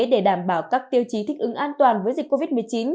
để đảm bảo các tiêu chí thích ứng an toàn với dịch covid một mươi chín